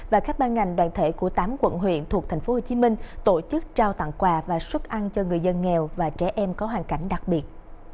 và các ban ngành đoàn thể của tám quận huyện thuộc tp hcm tổ chức trao tặng quà và xuất ăn cho người dân nghèo và trẻ em có hoàn cảnh đặc biệt